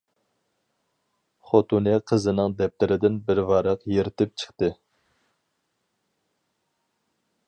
خوتۇنى قىزىنىڭ دەپتىرىدىن بىر ۋاراق يىرتىپ چىقتى.